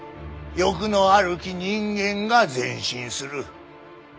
欲のあるき人間が前進する。